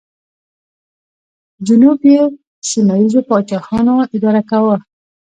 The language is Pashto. جنوب یې سیمه ییزو پاچاهانو اداره کاوه